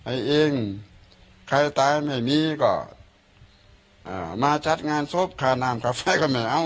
ไอ้เองใครตายไม่มีก็เอ่อมาจัดงานศพคานามคาไฟก็ไม่เอาอะไรที่นั่ง